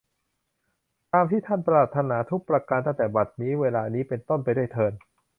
ตามที่ท่านปรารถนาทุกประการตั้งแต่บัดนี้ เวลานี้เป็นต้นไปด้วยเทอญ